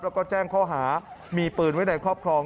แล้วก็แจ้งข้อหามีปืนไว้ในครอบครอง